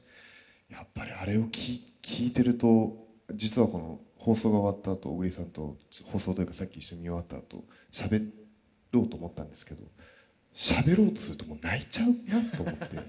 やっぱりあれを聞いてると実はこの放送が終わったあと小栗さんと放送というかさっき一緒に見終わったあとしゃべろうと思ったんですけどしゃべろうとするともう泣いちゃうなと思って。